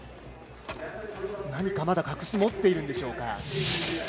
何か、まだ隠し持っているんでしょうか。